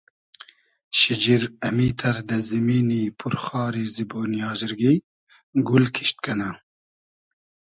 شیجیر امیتر دۂ زیمینی پور خاری زیبۉنی آزرگی گول کیشت کئنۂ